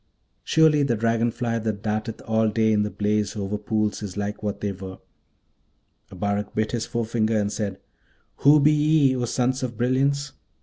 Surely the dragon fly that darteth all day in the blaze over pools is like what they were. Abarak bit his forefinger and said, 'Who be ye, O sons of brilliance?'